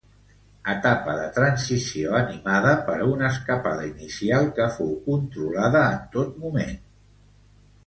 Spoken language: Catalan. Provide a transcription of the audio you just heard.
Etapa de transició animada per una escapada inicial que fou controlada en tot moment.